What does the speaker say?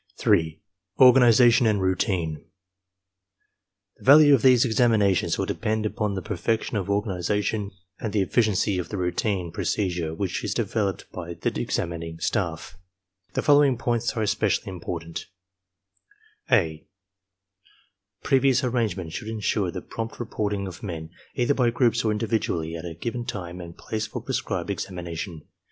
3. ORGANIZATION AND ROUTINE The value of these examinations will depend upon the per fection of organization and the efficiency of the routine pro cedure which is developed by the examining staff. The follow ing points are especially important: (a) Previous arrangement should insure the prompt reporting of men either by groups or individually at a given time and place for prescribed examination.